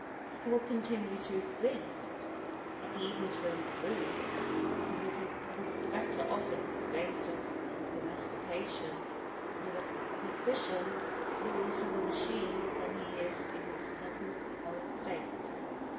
He will continue to exist, nay even to improve, and will be probably better off in his state of domestication under the beneficent rule of the machines than he is in his present wild state.